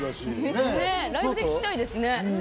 ライブで聴きたいですね。